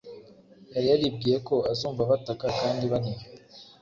Yari yaribwiye ko azumva bataka kandi baniha,